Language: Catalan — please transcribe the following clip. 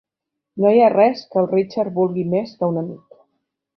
No hi ha res que el Ricard vulgui més que un amic.